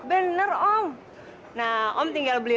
bener om nah om tinggal beli